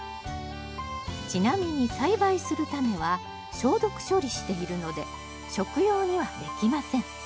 ちなみに栽培するタネは消毒処理しているので食用にはできません